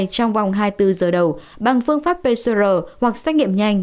trong vòng hai mươi bốn giờ đầu bằng phương pháp pcr hoặc xét nghiệm nhanh